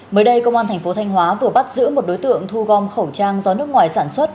mới đây công an thành phố thanh hóa vừa bắt giữ một đối tượng thu gom khẩu trang do nước ngoài sản xuất